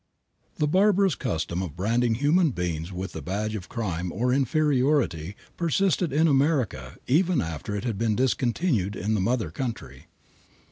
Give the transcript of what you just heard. The barbarous custom of branding human beings with the badge of crime or inferiority persisted in America even after it had been discontinued in the mother country.